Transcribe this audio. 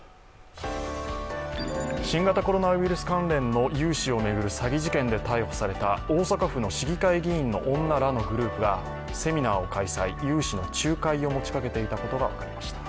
新型コロナウイルス関連の融資を巡る詐欺事件で逮捕された大阪府の市議会議員の女らのグループがセミナーを開催、融資の仲介を持ちかけていたことが分かりました。